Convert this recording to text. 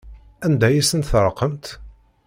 Anda ay asen-terqamt?